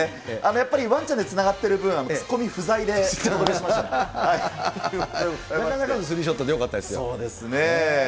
やっぱりワンちゃんでつながってる分、なかなかの３ショットでよかそうですね。